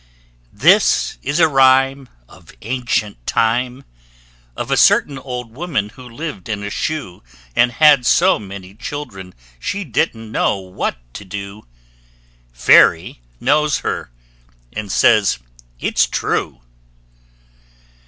This is a rhyme Of ancient time Of a certain old woman who lived in a shoe, And had so many children she didn't know what to do: Fairy knows her, and says it's true.